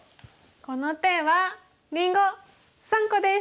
この手はりんご３個です！